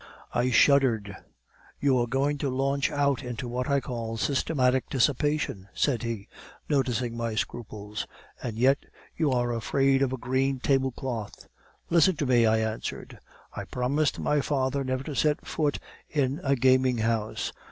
"I shuddered. "'You are going to launch out into what I call systematic dissipation,' said he, noticing my scruples, 'and yet you are afraid of a green table cloth.' "'Listen to me,' I answered. 'I promised my father never to set foot in a gaming house.